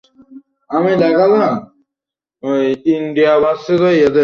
প্রিন্সিপ, আমার লোমশ ভাল্লুক!